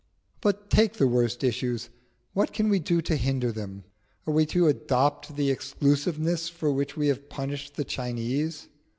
But take the worst issues what can we do to hinder them? Are we to adopt the exclusiveness for which we have punished the Chinese?